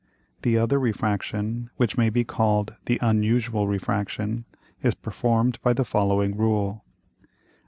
The other Refraction, which may be called the unusual Refraction, is perform'd by the following Rule.